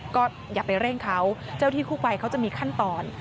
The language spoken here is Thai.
ก็อย่าไปเร่งเขาเจ้าที่คู่ภัยเขาจะมีขั้นตอน